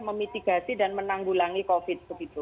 memitigasi dan menanggulangi covid